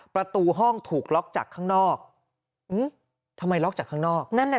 ประตูห้องถูกล็อกจากข้างนอกทำไมล็อกจากข้างนอกนั่นน่ะ